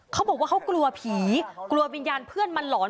เขาบอกว่าเขากลัวผีกลัววิญญาณเพื่อนมันหลอน